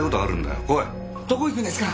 どこ行くんですか。